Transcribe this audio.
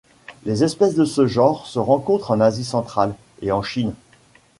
Les espèces de ce genre se rencontrent en Asie centrale et en Chine.